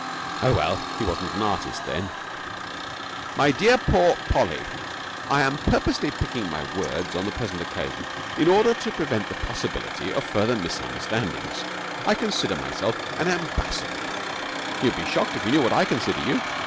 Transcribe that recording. Oh, well, he wasn't an artist then!' 'My dear Pau Polly. I am purposely picking my words on the present occasion in order to prevent the possibility of further misunderstandings. I consider myself an ambassador.' 'You would be shocked if you knew what I consider you!'